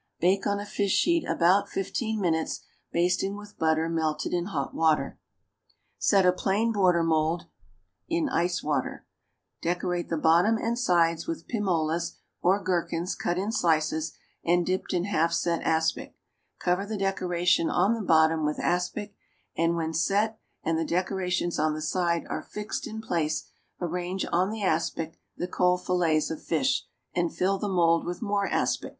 Bake on a fish sheet about fifteen minutes, basting with butter melted in hot water. Set a plain border mould in ice water; decorate the bottom and sides with pim olas or gherkins cut in slices and dipped in half set aspic; cover the decoration on the bottom with aspic, and, when set and the decorations on the side are "fixed" in place, arrange on the aspic the cold fillets of fish and fill the mould with more aspic.